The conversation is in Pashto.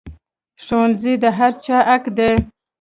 ښوونځی د هر چا حق دی